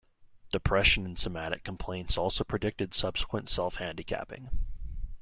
Depression and somatic complaints also predicted subsequent self-handicapping.